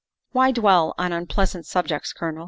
' Why dwell on unpleasant subjects, Colonel?